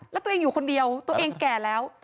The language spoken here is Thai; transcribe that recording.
แล้วตัวเองอยู่คนเดียวตัวเองแก่แล้ว